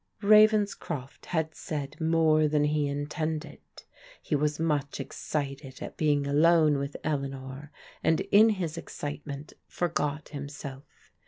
Ravenscroft had said more than he intended. He was much excited at being alone with Eleanor, and in his ex citement forgot himself.